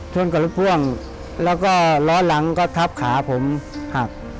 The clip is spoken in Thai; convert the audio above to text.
ชนกับรถพ่วงแล้วก็ล้อหลังก็ทับขาผมหัก